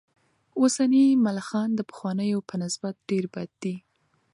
اوسني ملخان د پخوانیو په نسبت ډېر بد دي.